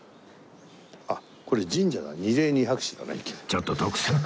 ちょっと徳さん